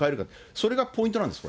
それがポイントなんですよ。